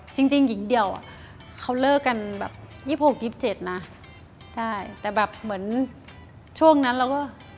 จริงหญิงเดียวเขาเลิกกัน๒๖๒๗นะแต่แบบเหมือนช่วงนั้นเราก็